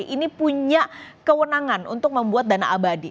ini punya kewenangan untuk membuat dana abadi